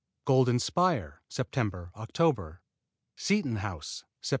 Golden Spire Sept., Oct. Seaton House Sept.